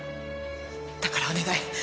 だからお願い。